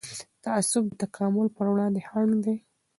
تعصب د تکامل پر وړاندې خنډ دی